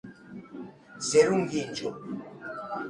Ser un gínjol.